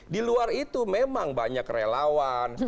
di luar itu memang banyak relawan